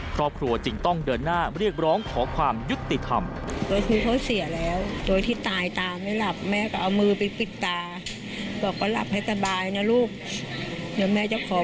ครอบครัวจึงต้องเดินหน้าเรียกร้องขอความยุติธรรม